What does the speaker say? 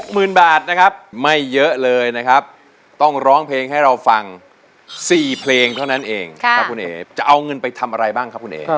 หมื่นบาทนะครับไม่เยอะเลยนะครับต้องร้องเพลงให้เราฟัง๔เพลงเท่านั้นเองครับคุณเอ๋จะเอาเงินไปทำอะไรบ้างครับคุณเอ๋